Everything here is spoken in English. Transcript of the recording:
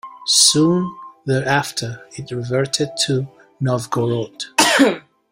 Soon thereafter, it reverted to Novgorod.